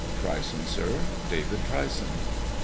"Tryson, sir; David Tryson."